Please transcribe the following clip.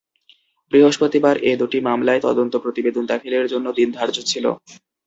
বৃহস্পতিবার এ দুটি মামলায় তদন্ত প্রতিবেদন দাখিলের জন্য দিন ধার্য ছিল।